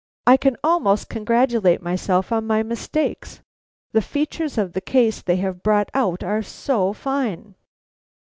I can almost congratulate myself upon my mistakes, the features of the case they have brought out are so fine!"